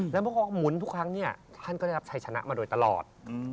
แล้วพวกเขาหมุนทุกครั้งท่านก็ได้รับชัยชนะมาโดยตลอด